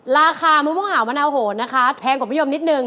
ราคามะม่วงหาวมะนาวโหนนะคะแพงกว่าพี่ยมนิดนึง